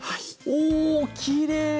おおきれい！